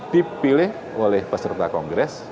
dipilih oleh peserta kongres